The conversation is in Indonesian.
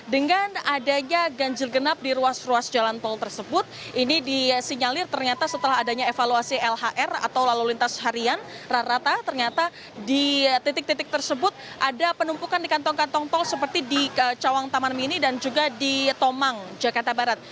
dengan adanya ganjil genap di ruas ruas jalan tol tersebut ini disinyalir ternyata setelah adanya evaluasi lhr atau lalu lintas harian rata ternyata di titik titik tersebut ada penumpukan di kantong kantong tol seperti di cawang taman mini dan juga di tomang jakarta barat